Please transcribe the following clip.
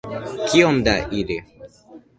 Kiom da ili?